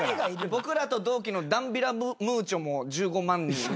僕らと同期のダンビラムーチョも１５万人。